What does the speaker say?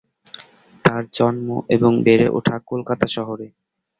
তার জন্ম এবং বেড়ে ওঠা কলকাতা শহরে।